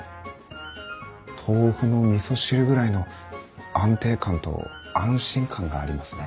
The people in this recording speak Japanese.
豆腐のみそ汁ぐらいの安定感と安心感がありますね。